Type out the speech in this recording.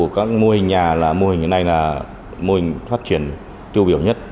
các mô hình nhà mô hình như thế này là mô hình phát triển tiêu biểu nhất